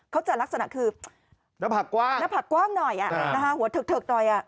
เขาจะลักษณะคือนับผักกว้างหน่อยหัวเทิกหน่อย